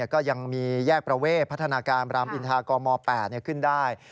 ก็ยังมีแยกประเวทพัฒนาการรามอินทากม๘ขึ้นได้